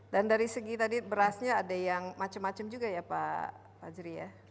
dan dari segi tadi berasnya ada yang macam macam juga ya pak fajri ya